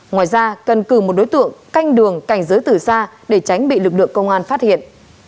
ngoài ra cần cử một đối tượng canh đường cảnh giới từ xa để tránh bị lực lượng công an phát hiện